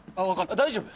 大丈夫？